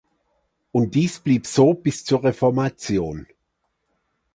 Und dies blieb so bis zur Reformation.